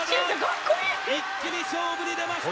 一気に勝負に出ました！